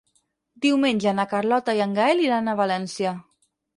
Diumenge na Carlota i en Gaël iran a València.